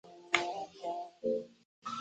创始人是徐载弼和尹致昊。